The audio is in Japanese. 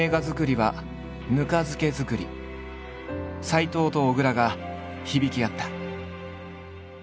斎藤と小倉が響き合った。